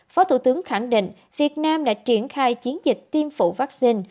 phó thủ tướng khẳng định việt nam đã triển khai chiến dịch tiêm phụ vaccine